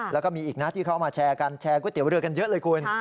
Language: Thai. แล้วก็มีอีกนะที่เขาเอามาแชร์กันแชร์ก๋วยเตี๋ยวเรือกันเยอะเลยคุณ